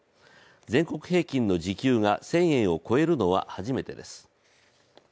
全国平均の時給が１０００円を超えるのは初めてです。